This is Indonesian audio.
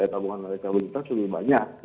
tabungan rekabunitas lebih banyak